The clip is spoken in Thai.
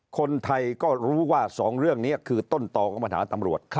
คนไทยก็รู้ว่าสองเรื่องนี้คือต้นต่อของปัญหาตำรวจ